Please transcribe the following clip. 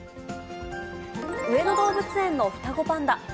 上野動物園の双子パンダ。